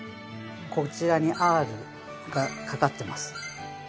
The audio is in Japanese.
こちらにアールがかかってます。